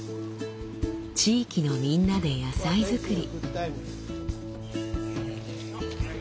地域のみんなで野菜作り。